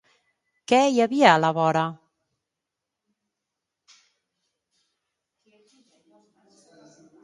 Què hi havia a la vora?